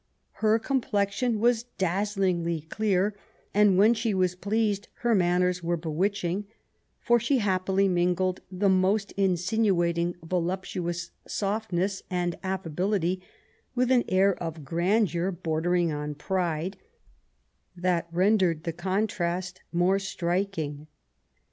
Her complexion was daulingly dear ; and when she was pleased, her manners were be witching ; for she happily mingled the most insinuating voluptuous softness and affability with an air of grandeur bordering on pride, that rendered the contrast more striliing.